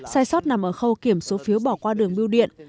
sai sót nằm ở khâu kiểm số phiếu bỏ qua đường biêu điện